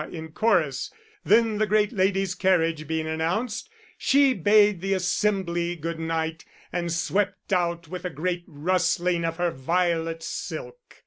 in chorus. Then, the great lady's carriage being announced, she bade the assembly good night, and swept out with a great rustling of her violet silk.